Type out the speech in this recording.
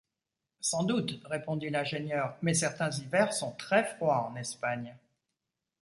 Sans doute, répondit l’ingénieur, mais certains hivers sont très-froids en Espagne